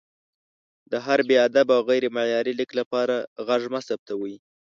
د هر بې ادبه او غیر معیاري لیک لپاره غږ مه ثبتوئ!